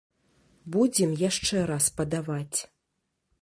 Будзем яшчэ раз падаваць.